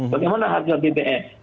bagaimana harga bbm